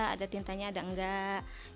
ada tintanya ada enggak